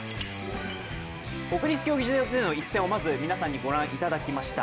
国立競技場での一戦をまず皆さんにご覧いただきました。